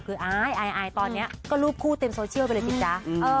คืออายอายตอนนี้ก็รูปคู่เต็มโซเชียลไปเลยสิจ๊ะ